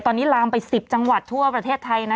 ตอนนี้ลามไป๑๐จังหวัดทั่วประเทศไทยนะ